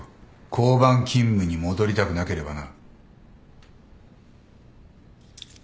交番勤務に戻りたくなければな。